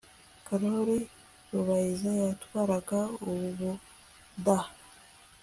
karoli rubayiza yatwaraga ubudaha